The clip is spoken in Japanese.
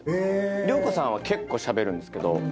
涼子さんは結構しゃべるんですけどこと